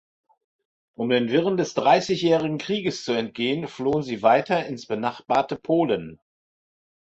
Um den Wirren des Dreißigjährigen Krieges zu entgehen, flohen sie weiter ins benachbarte Polen.